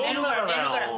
寝るから。